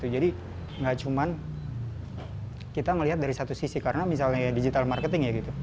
jadi nggak cuma kita melihat dari satu sisi karena misalnya digital marketing ya